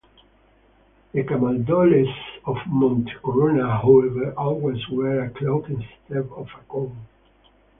The Camaldolese of Monte Corona, however, always wear a cloak instead of a cowl.